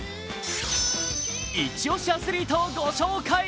イチ推しアスリートをご紹介。